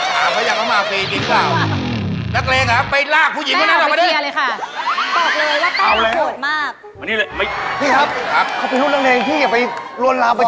ถามเขาอย่างน้อยมาฟีย์จริงหรือเปล่า